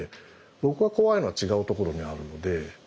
僕が怖いのは違うところにあるので。